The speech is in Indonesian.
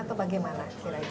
atau bagaimana kira kira